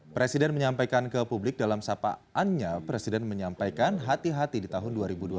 presiden menyampaikan ke publik dalam sapaannya presiden menyampaikan hati hati di tahun dua ribu dua puluh